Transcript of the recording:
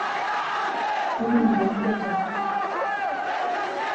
ilikuwa ikipata misaada toka Urusi Jamhuri ya Kidemokrasia ya Kijerumani